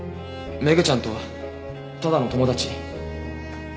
メグちゃんとはただの友達。